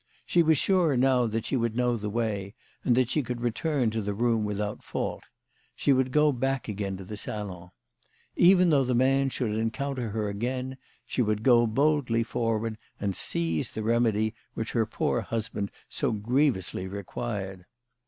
She was sure now that she would know the way, and that she could return to the room without fault. She would go back to the salon. Even though ths man should encounter her again, she would go boldly forward and seize the remedy which her poor husband so grievously required.